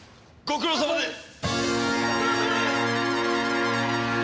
ご苦労さまです！